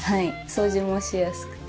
掃除もしやすくて。